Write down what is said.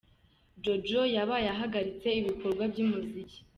Jojo yabaye ahagaritse ibikorwa by’umuziki